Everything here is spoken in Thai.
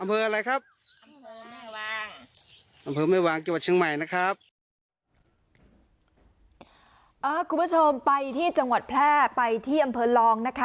คุณผู้ชมไปที่จังหวัดแพร่ไปที่อำเภอลองนะคะ